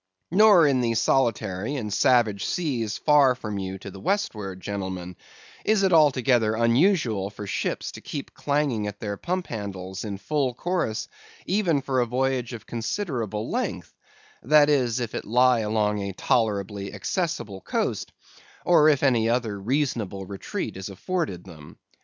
Nor in the solitary and savage seas far from you to the westward, gentlemen, is it altogether unusual for ships to keep clanging at their pump handles in full chorus even for a voyage of considerable length; that is, if it lie along a tolerably accessible coast, or if any other reasonable retreat is afforded them.